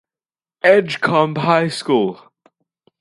Edgecumbe High School.